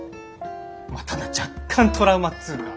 ただ若干トラウマっつうか。